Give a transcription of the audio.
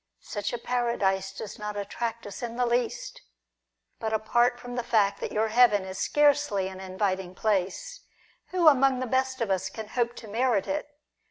Such a Para dise does not attract us in the least. But, apart from the fact that your heaven is scarcely an inviting place, who among the best of us can hope to merit it